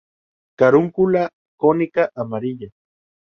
Carúncula cónica, amarilla.